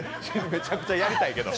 めちゃくちゃやりたいけど。